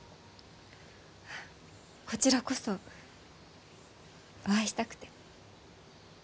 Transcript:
あこちらこそお会いしたくて。